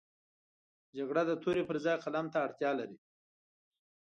جګړه د تورې پر ځای قلم ته اړتیا لري